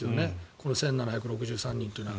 この１７６３人というのは。